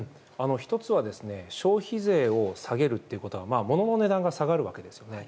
１つは消費税を下げるということはものの値段が下がるわけですよね。